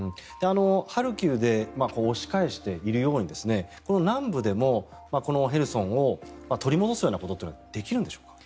ハルキウで押し返しているようにこの南部でもヘルソンを取り戻すようなことはできるんでしょうか？